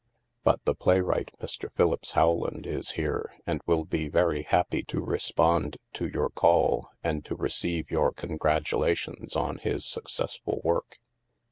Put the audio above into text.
But the playwright, Mr. Philippse How land, is here and will be very happy to respond to your call, and to receive your congratulations on his successful work."